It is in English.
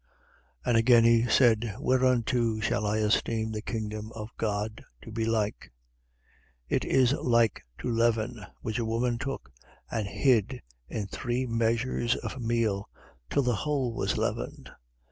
13:20. And again he said: Whereunto shall I esteem the kingdom of God to be like? 13:21. It is like to leaven, which a woman took and hid in three measures of meal, till the whole was leavened.